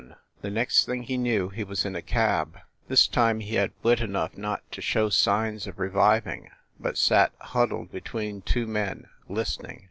... The next thing he knew, he was in a cab. This time he had wit enough not to show signs of reviv ing, but sat, huddled between two men, listening.